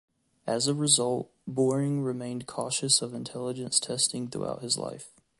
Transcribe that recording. As a result, Boring remained cautious of intelligence testing throughout his life.